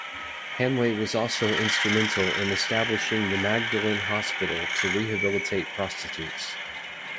Hanway was also instrumental in establishing the Magdalen Hospital to rehabilitate prostitutes.